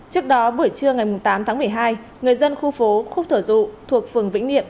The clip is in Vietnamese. trước đó buổi trưa ngày tám tháng một mươi hai người dân khu phố khúc thở dụ thuộc phường vĩnh niệm